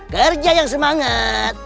kerja yang semangat